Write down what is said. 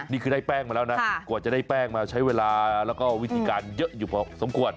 นี่คือได้แป้งมาแล้วนะกว่าจะได้แป้งมาใช้เวลาแล้วก็วิธีการเยอะอยู่พอสมควร